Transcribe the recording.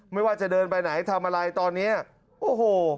ไม่ว่าจะเดินไปไหนทำอะไรตอนเนี้ยโอ้โห